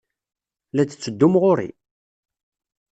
La d-tetteddum ɣer-i?